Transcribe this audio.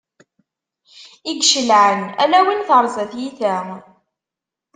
I icelɛan, ala win terza tyita.